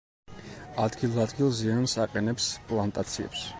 ადგილ-ადგილ ზიანს აყენებს პლანტაციებს.